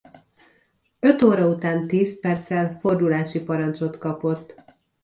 Öt óra után tíz perccel fordulási parancsot kapott.